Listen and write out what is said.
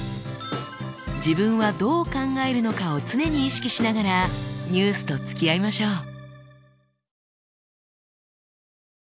自分はどう考えるのかを常に意識しながらニュースとつきあいましょう。